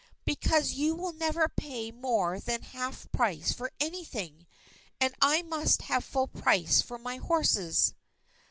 "Because you will never pay more than half price for anything; and I must have full price for my horses."